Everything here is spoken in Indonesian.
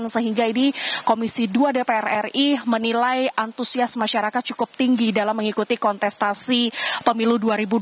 sehingga ini komisi dua dpr ri menilai antusias masyarakat cukup tinggi dalam mengikuti kontestasi pemilu dua ribu dua puluh